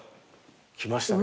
きましたね